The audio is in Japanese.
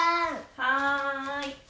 はい。